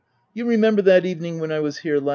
You remember that evening when I was here last?"